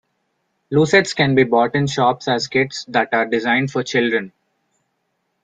Lucets can be bought in shops as kits that are designed for children.